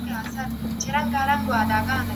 د پاچا مشاورینو څه دنده لرله؟